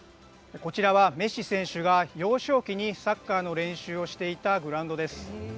こちらはメッシ選手が幼少期にサッカーの練習をしていたグラウンドです。